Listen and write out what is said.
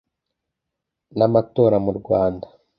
n’amatora mu Rwanda”